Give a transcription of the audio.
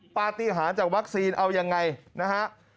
ปฏิหารจากวัคซีนเอายังไงนะฮะ